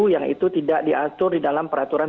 yang itu tidak diatur di dalam peraturan